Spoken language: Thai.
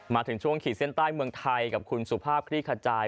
มาถึงช่วงขีดเส้นใต้เมืองไทยกับคุณสุภาพคลี่ขจาย